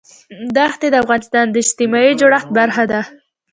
دښتې د افغانستان د اجتماعي جوړښت برخه ده.